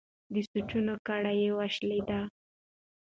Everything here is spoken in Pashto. د سوچونو کړۍ یې وشلېده.